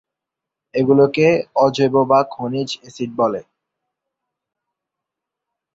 এগুলোকে অজৈব বা খনিজ অ্যাসিড বলে।